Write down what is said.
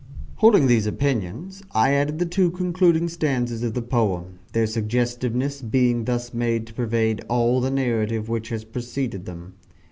Holding these opinions, I added the two concluding stanzas of the poem their suggestiveness being thus made to pervade all the narrative which has preceded them.